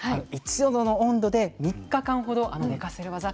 １度の温度で３日間ほど寝かせる技。